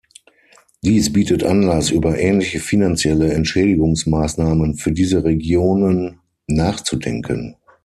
Dies bietet Anlass, über ähnliche finanzielle Entschädigungsmaßnahmen für diese Regionen nachzudenken.